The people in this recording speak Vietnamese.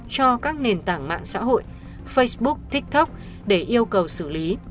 cho các nền tảng mạng xã hội để yêu cầu xử lý